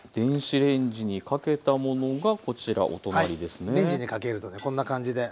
レンジにかけるとねこんな感じで。